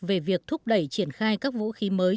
về việc thúc đẩy triển khai các vũ khí mới